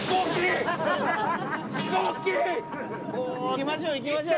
行きましょう、行きましょう。